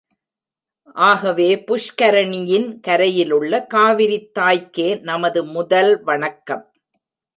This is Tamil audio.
ஆகவே புஷ்கரணியின் கரையிலுள்ள காவிரித்தாய்க்கே நமது முதல் வணக்கம்.